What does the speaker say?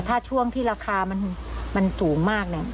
ถ้าช่วงที่ราคามันสูงมากเนี่ย